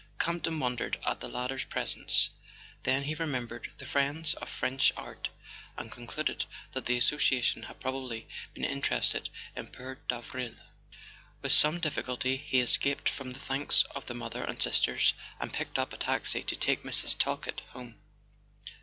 Camp ton wondered at the latter's presence; then he remembered "The Friends of French Art," and concluded that the association had probably been interested in poor Davril. With some difficulty he escaped from the thanks of the mother and sisters, and picked up a taxi to take Mrs. Talkett home.